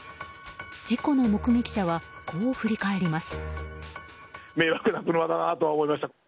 事故の目撃者はこう振り返ります。